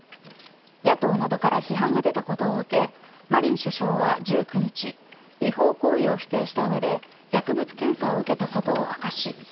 野党などから批判が出たことを受けマリン首相は１９日違法行為を否定した上で薬物検査を受けたことを明かし